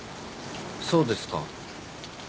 そうですか。